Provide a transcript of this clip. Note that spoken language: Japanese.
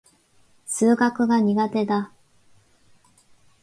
数学が苦手だ。